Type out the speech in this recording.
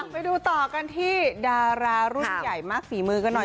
ไปดูต่อกันที่ดารารุ่นใหญ่มากฝีมือกันหน่อย